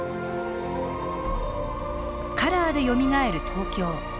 「カラーでよみがえる東京」。